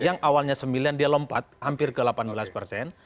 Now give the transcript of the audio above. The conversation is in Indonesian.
yang awalnya sembilan dia lompat hampir ke delapan belas persen